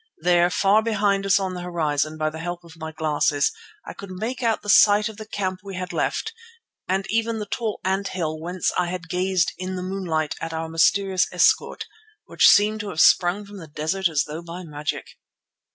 There far behind us on the horizon, by the help of my glasses, I could make out the site of the camp we had left and even the tall ant hill whence I had gazed in the moonlight at our mysterious escort which seemed to have sprung from the desert as though by magic.